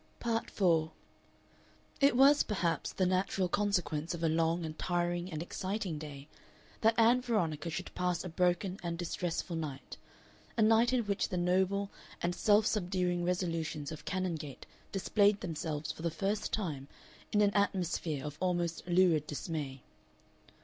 Part 4 It was, perhaps, the natural consequence of a long and tiring and exciting day that Ann Veronica should pass a broken and distressful night, a night in which the noble and self subduing resolutions of Canongate displayed themselves for the first time in an atmosphere of almost lurid dismay.